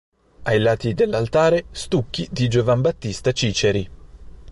Ai lati dell'altare stucchi di Giovan Battista Ciceri.